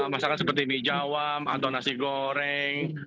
masakan seperti mijawam atau nasi goreng